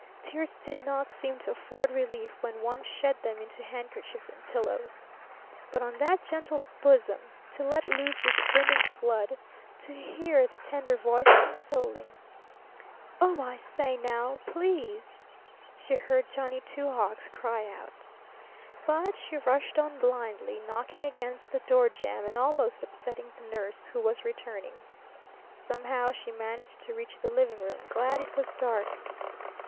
Tears did not seem to afford relief when one shed them into handkerchiefs and pillows. But on that gentle bosom, to let loose this brimming flood, to hear the tender voice consoling! "Oh, I say, now! Please!" she heard Johnny Two Hawks cry out. But she rushed on blindly, knocking against the door jamb and almost upsetting the nurse, who was returning. Somehow she managed to reach the living room, glad it was dark.